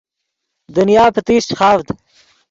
دنیا پتیشچ خاڤد